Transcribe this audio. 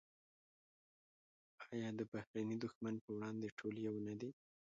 آیا د بهرني دښمن پر وړاندې ټول یو نه دي؟